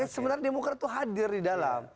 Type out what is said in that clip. sebenarnya demokrat itu hadir di dalam